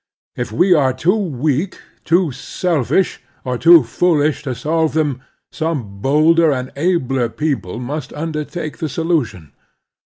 If ^ we are too weak, too selfish, or too foolish to solve them, some bolder and abler people must imder take the solution.